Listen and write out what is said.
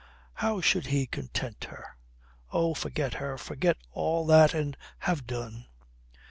How should he content her? Oh, forget her, forget all that and have done.